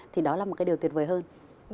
thì đó là một cái điều tuyệt vời hơn